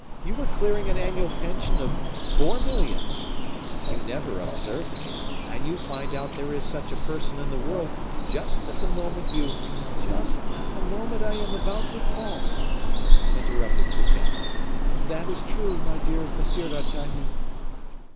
You were clearing an annual pension of four millions; you never observed me; and you find out there is such a person in the world, just at the moment you " "Just at the moment I am about to fall," interrupted Fouquet. "That is true, my dear Monsieur d'Artagnan."